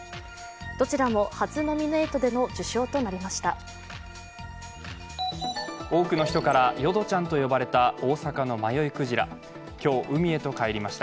どちらも初ノミネートでの受賞となりました。